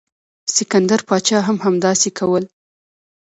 سکندر پاچا هم همداسې کول.